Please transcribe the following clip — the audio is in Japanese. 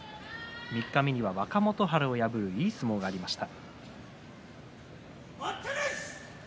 三日目には、若元春を破るいい相撲がありました。